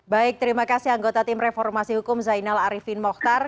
baik terima kasih anggota tim reformasi hukum zainal arifin mohtar